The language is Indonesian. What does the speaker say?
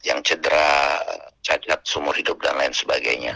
yang cedera cacat seumur hidup dan lain sebagainya